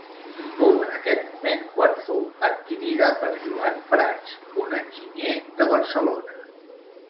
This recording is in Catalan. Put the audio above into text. Fou en aquest moment quan fou adquirida per Joan Prats, un enginyer de Barcelona.